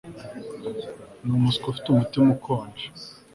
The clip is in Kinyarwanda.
Ni umuswa ufite umutima ukonje